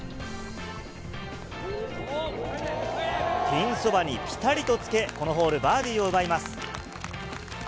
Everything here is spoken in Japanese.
ピンそばにぴたりとつけ、このホール、バーディーを奪います。